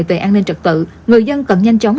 về an ninh trật tự người dân cần nhanh chóng